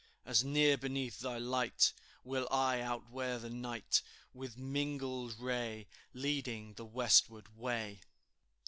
As near beneath thy light Will I outwear the night, With mingled ray Leading the westward way."